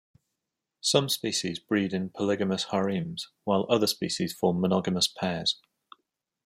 Some species breed in polygamous harems, while other species form monogamous pairs.